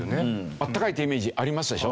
暖かいってイメージありますでしょ？